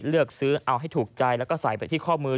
เลือกซื้อเอาให้ถูกใจแล้วก็ใส่ไปที่ข้อมือ